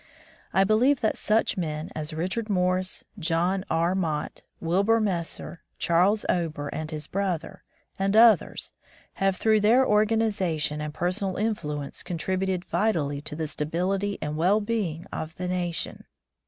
I believe that such men as Richard Morse, John R. Mott» Wilbur Messer, Charles Ober and his brother, and others, have through their organization and personal influence contributed vitally to the stability and well being of the nation.